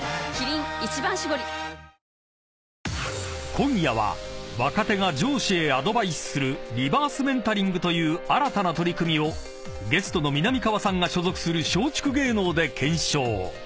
［今夜は若手が上司へアドバイスするリバースメンタリングという新たな取り組みをゲストのみなみかわさんが所属する松竹芸能で検証］